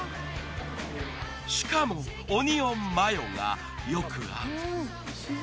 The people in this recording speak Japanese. しかもオニオンマヨがよく合う。